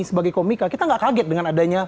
sebagai komika kita nggak kaget dengan adanya